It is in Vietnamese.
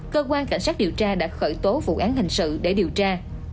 cơ quan cảnh sát điều tra đã khởi tố vụ án hình sự để điều tra